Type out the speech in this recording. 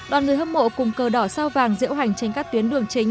đoàn người hâm mộ cùng cờ đỏ sao vàng diễu hành trên các tuyến đường chính